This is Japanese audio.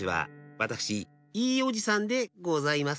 わたくしいいおじさんでございます。